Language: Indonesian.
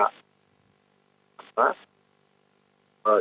karena memang awal ini dari